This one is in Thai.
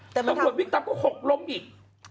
ตำรวจวิ่งตามก็หกล้มอีก